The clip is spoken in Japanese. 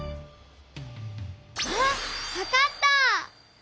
あっわかった！